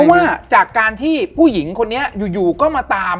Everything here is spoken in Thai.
เพราะว่าจากการที่ผู้หญิงคนนี้อยู่ก็มาตาม